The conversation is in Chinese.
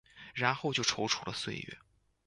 然后就蹉跎了岁月